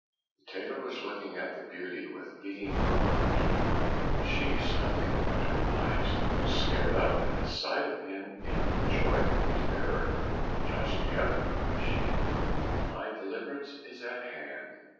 The tailor was looking at the beauty with beating heart, when she suddenly opened her eyes, and started up at the sight of him in joyful terror. "Just Heaven!" cried she, "my deliverance is at hand!